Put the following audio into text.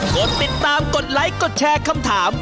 กดติดตามกดไลค์กดแชร์คำถาม